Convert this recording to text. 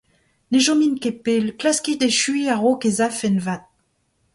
Ne chomin ket pell, klaskit echuiñ a-raok ez afen avat.